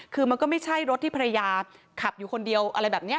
คือมันก็ไม่ใช่รถที่ภรรยาขับอยู่คนเดียวอะไรแบบนี้